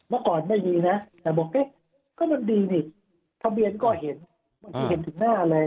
เมื่อก่อนไม่ดีนะแต่บอกเอ๊ะก็มันดีดิทะเบียนก็เห็นบางทีเห็นถึงหน้าเลย